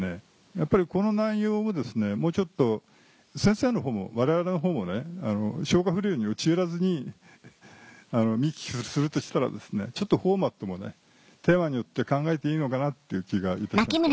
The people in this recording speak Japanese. やっぱりこの内容をもうちょっと先生の方もわれわれの方も消化不良に陥らずに見聞きするとしたらちょっとフォーマットもねテーマによって考えていいのかなっていう気がいたしました。